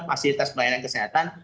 fasilitas pelayanan kesehatan